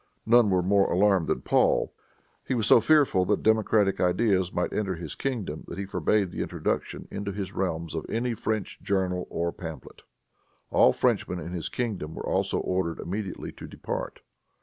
None were more alarmed than Paul. He was so fearful that democratic ideas might enter his kingdom that he forbade the introduction into his realms of any French journal or pamphlet. All Frenchmen in his kingdom were also ordered immediately to depart.